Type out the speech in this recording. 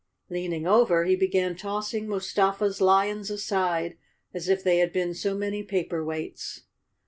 Leaning over, he began tossing Mustafa's lions aside as if they had been so many paper weights.